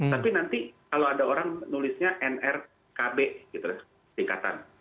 tapi nanti kalau ada orang nulisnya nrkb gitu singkatan